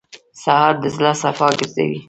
سهار د زړه صفا ګرځوي.